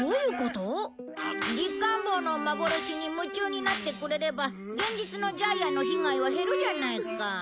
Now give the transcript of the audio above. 実感帽の幻に夢中になってくれれば現実のジャイアンの被害は減るじゃないか。